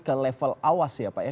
ke level awas ya pak ya